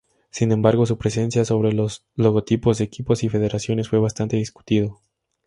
Sin embargo, su presencia sobre los logotipos de equipos y federaciones fue bastante discutido.